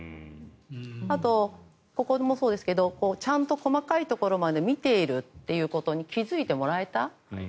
あと、ここもそうですがちゃんと細かいところまで見ているということに気付いてもらえた。